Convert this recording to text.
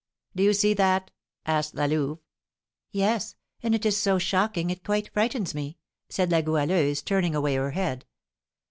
"Do you see that?" asked La Louve. "Yes; and it is so shocking, it quite frightens me," said La Goualeuse, turning away her head.